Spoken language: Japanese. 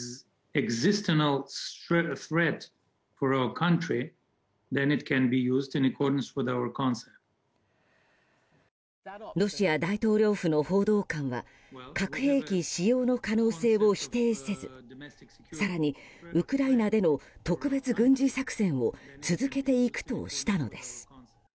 ロシア大統領府の報道官は核兵器使用の可能性を否定せず更に、ウクライナでの特別軍事作戦を続けていくとしたのです。